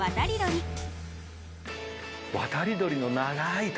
渡り鳥の長い旅。